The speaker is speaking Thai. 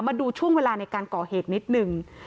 มาดูช่วงเวลาในการก่อเหตุนิดหนึ่ง